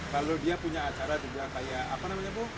lalu dia punya acara juga kayak apa namanya bu